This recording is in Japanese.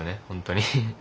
本当に。